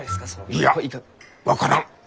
いや分からん！